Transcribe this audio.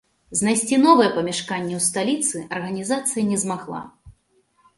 Знайсці новае памяшканне ў сталіцы арганізацыя не змагла.